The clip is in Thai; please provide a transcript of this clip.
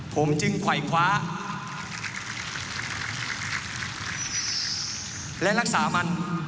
ผมจึงไขว่คว้าและรักษามัน